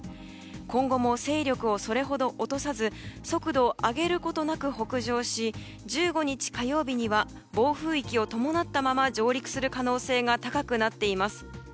今後も勢力をそれほど落とさず速度を上げることなく北上し１５日、火曜日には暴風域を伴ったまま上陸する可能性が高くなっています。